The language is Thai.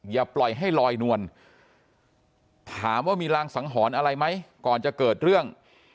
อย่าปล่อยให้ลอยนวลถามว่ามีรางสังหรณ์อะไรไหมก่อนจะเกิดเรื่อง